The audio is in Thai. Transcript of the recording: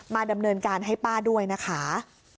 ดำเนินการให้ป้าด้วยนะคะ